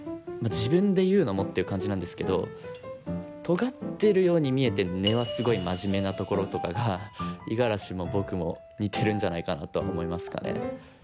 自分で言うのもっていう感じなんですけどとがってるように見えて根はすごいマジメなところとかが五十嵐も僕も似てるんじゃないかなとは思いますかね。